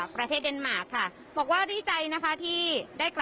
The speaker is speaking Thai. เพราะเราถึงอยากมาที่นี่